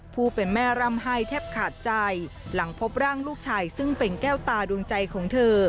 ผู้เป็นแม่ร่ำไห้แทบขาดใจหลังพบร่างลูกชายซึ่งเป็นแก้วตาดวงใจของเธอ